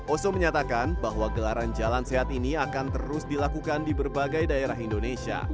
oso menyatakan bahwa gelaran jalan sehat ini akan terus dilakukan di berbagai daerah indonesia